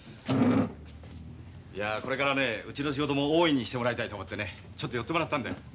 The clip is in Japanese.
いやこれからねうちの仕事も大いにしてもらいたいと思ってねちょっと寄ってもらったんだよ。